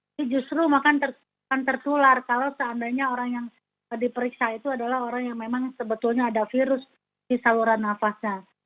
ini justru akan tertular kalau seandainya orang yang diperiksa itu adalah orang yang memang sebetulnya ada virus di saluran nafasnya